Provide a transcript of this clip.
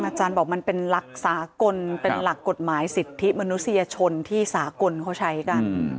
อาจารย์บอกมันเป็นหลักสากลเป็นหลักกฎหมายสิทธิมนุษยชนที่สากลเขาใช้กัน